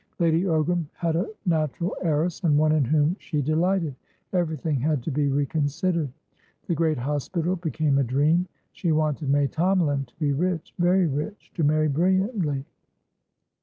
Lady Ogram had a natural heiress, and one in whom she delighted. Everything had to be reconsidered. The great hospital became a dream. She wanted May Tomalin to be rich, very rich, to marry brilliantly.